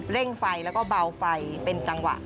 ่งไฟแล้วก็เบาไฟเป็นจังหวะ